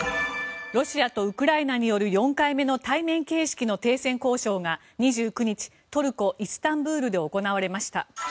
ロシアとウクライナによる４回目の対面形式での停戦交渉が２９日トルコ・イスタンブールで行われました。